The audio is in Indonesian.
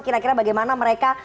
kira kira bagaimana mereka